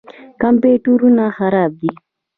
کمپیوټرونه خراب دي.